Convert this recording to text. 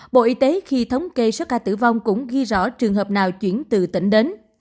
bộ y tế khi thống kê số ca tử vong cũng ghi rõ trường hợp nào chuyển từ tỉnh đến